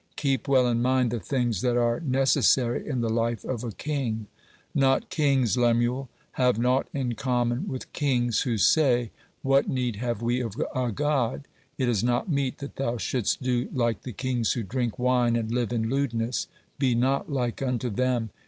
Keep well in mind the things that are necessary in the life of a king. (13) 'Not kings, Lemuel.' Have naught in common with kings who say: 'What need have we of a God?' It is not meet that thou shouldst do like the kings who drink wine and live in lewdness. Be not like unto them.